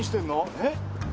えっ？